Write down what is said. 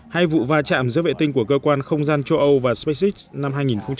hay vụ va chạm giữa vệ tinh của cơ quan không gian châu âu và spacex năm hai nghìn một mươi tám